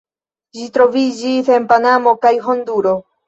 Ĝi troviĝis en Panamo kaj Honduro.